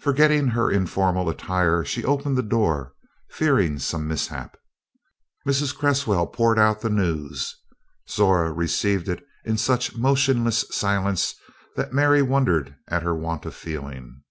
Forgetting her informal attire, she opened the door, fearing some mishap. Mrs. Cresswell poured out the news. Zora received it in such motionless silence that Mary wondered at her want of feeling.